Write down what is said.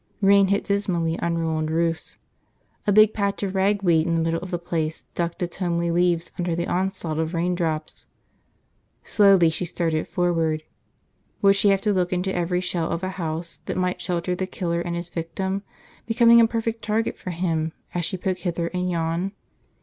Rain hit dismally on ruined roofs. A big patch of ragweed in the middle of the place ducked its homely leaves under the onslaught of raindrops. Slowly she started forward. Would she have to look into every shell of a house that might shelter the killer and his victim, becoming a perfect target for him as she poked hither and yon?